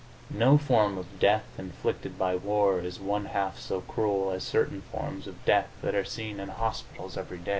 No form of death inflicted by war is one half so cruel as certain forms of death that are seen in hospitals every day.